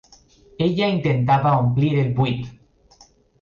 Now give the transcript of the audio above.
Ella intentava omplir el buit.